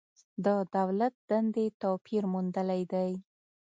د دولت دندې توپیر موندلی دی.